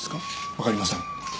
わかりません。